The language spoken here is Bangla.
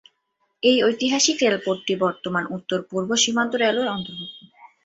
এই ঐতিহাসিক রেলপথটি বর্তমান উত্তর-পূর্ব সীমান্ত রেলওয়ের অন্তর্ভুক্ত।